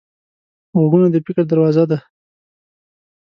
غوږونه د فکر دروازه ده